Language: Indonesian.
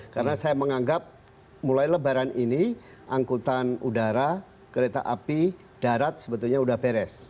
karena saya menganggap mulai lebaran ini angkutan udara kereta api darat sebetulnya sudah beres